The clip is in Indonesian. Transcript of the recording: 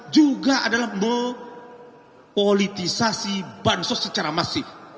juga adalah mempolitisasi bansos secara masif